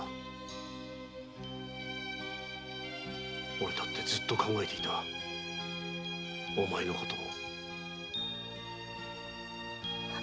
おれだってずうっと考えていたお前のことを。